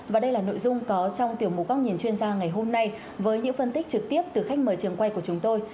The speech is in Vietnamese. và đây là nội dung có trong tiểu mục góc nhìn chuyên gia ngày hôm nay với những phân tích trực tiếp từ khách mời trường quay của chúng tôi